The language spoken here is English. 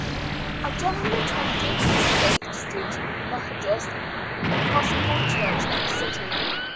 I generally attended the State Street Methodist Episcopal Church in the city.